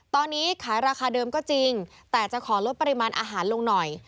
ตอนนี้ขายราคาเดิมก็จริงแต่จะขอลดปริมาณอาหารลงหน่อย